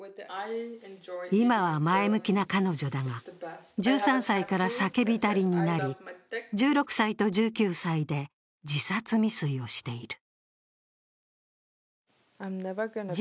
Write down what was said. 今は前向きな彼女だが、１３歳から酒浸りになり１６歳と１９歳で自殺未遂をしている。